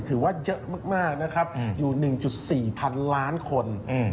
ถือว่าเยอะมากอยู่๑๔พันล้านคน